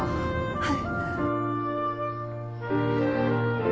はい。